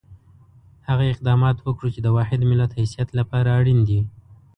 هغه اقدامات وکړو چې د واحد ملت حیثیت لپاره اړین دي.